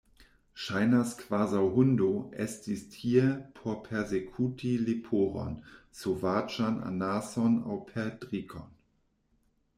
Ŝajnas kvazaŭ hundo estis tie por persekuti leporon, sovaĝan anason aŭ perdrikon.